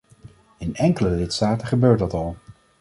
In enkele lidstaten gebeurt dat al.